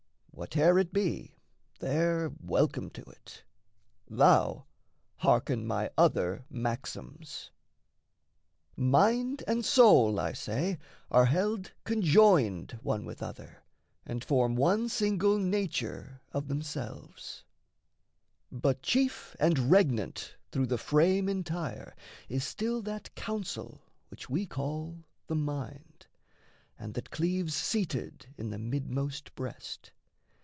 Whate'er it be, they're welcome to it thou, Hearken my other maxims. Mind and soul, I say, are held conjoined one with other, And form one single nature of themselves; But chief and regnant through the frame entire Is still that counsel which we call the mind, And that cleaves seated in the midmost breast.